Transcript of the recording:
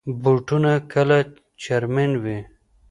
بوټونه کله چرمین وي.